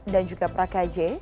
dan juga prakaj